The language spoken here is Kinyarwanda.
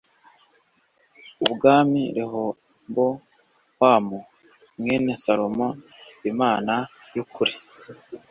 ubwami Rehobowamu mwene Salomo Imana y ukuri